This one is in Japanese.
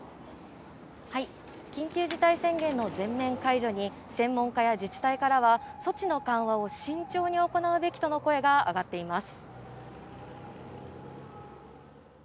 緊急事態宣言の全面解除に専門家や自治体からは措置の緩和を慎重に行うべきとの声が上がっています。